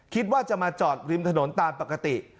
คิดว่าจะมาจอดริมถนนตามปกติ